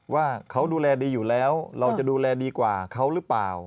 ว่าเขาดูแลดีอยู่แล้วเราจะดูแลดีกว่าเขาหรือเปล่า